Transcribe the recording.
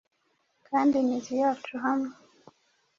Kandi imizi yacu hamwe.